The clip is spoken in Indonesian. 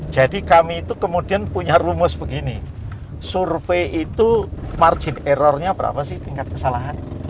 jadi kami itu kemudian punya rumus begini survei itu margin error nya berapa sih tingkat kesalahan